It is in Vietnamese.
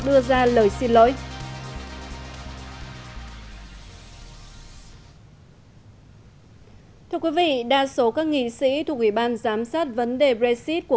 đưa ra lời xin lỗi thưa quý vị đa số các nghị sĩ thuộc ủy ban giám sát vấn đề brexit của